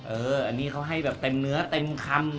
อันนี้เขาให้แบบเต็มเนื้อเต็มคำ